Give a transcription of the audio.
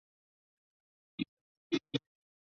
康熙二十九年庚午科乡试解元。